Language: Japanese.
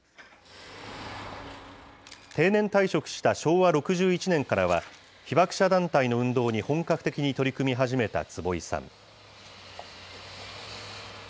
定年退職した昭和６１年からは、被爆者団体の運動に本格的に取り組み始めた坪井さん。